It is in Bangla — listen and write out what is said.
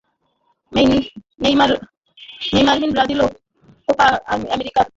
নেইমারহীন ব্রাজিলও কোপা আমেরিকায় গ্রুপপর্বে বাদ পড়ার হতাশা নিয়ে বাড়ি ফিরেছে।